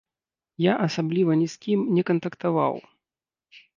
Я асабліва ні з кім не кантактаваў.